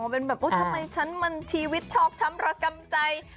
เป็นแบบทำไมฉันมันชีวิตชอกช้ำระกำใจ